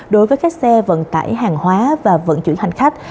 đối với các xe vận tải hàng hóa và vận chuyển hành khách